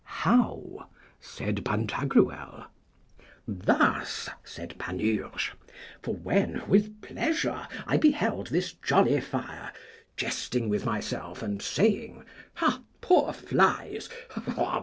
How? said Pantagruel. Thus, said Panurge; for when with pleasure I beheld this jolly fire, jesting with myself, and saying Ha! poor flies, ha!